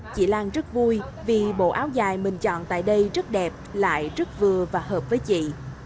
chị lan rất vui vì bộ áo dài mình chọn tại đây rất đẹp lại rất vừa và hợp với chị